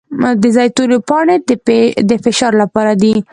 د زیتون پاڼې د فشار لپاره دي.